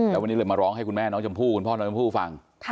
แล้ววันนี้เลยมาร้องให้คุณแม่น้องชมพู่คุณพ่อน้องชมพู่ฟัง